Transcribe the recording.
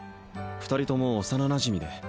二人とも幼なじみでへえ